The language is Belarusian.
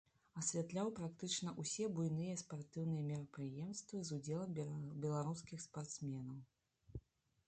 Асвятляў практычна ўсе буйныя спартыўныя мерапрыемствы з удзелам беларускіх спартсменаў.